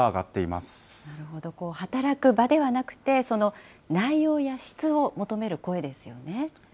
なるほど、働く場ではなくって、内容や質を求める声ですよね。